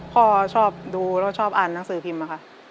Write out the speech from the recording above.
พ่อชอบดูแล้วชอบอ่านหนังสือพิมพ์อะค่ะ